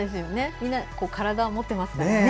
みんな体を持っています。